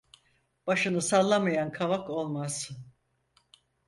Başını sallamayan kavak olmaz.